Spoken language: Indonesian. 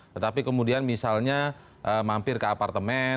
tetapi kemudian misalnya mampir ke apartemen